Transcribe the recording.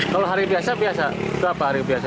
kalau hari biasa berapa